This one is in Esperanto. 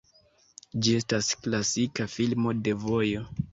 Ĝi estas klasika filmo de vojo.